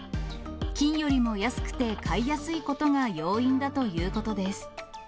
金よりも安くて買いやすいことが要因だということです。